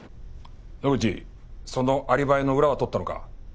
野口そのアリバイの裏は取ったのか？